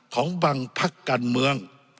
ของบางพักการเมือง